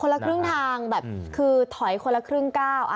ละครึ่งทางแบบคือถอยคนละครึ่งก้าว